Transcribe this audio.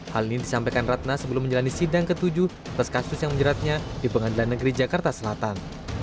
hal ini disampaikan ratna sebelum menjalani sidang ke tujuh atas kasus yang menjeratnya di pengadilan negeri jakarta selatan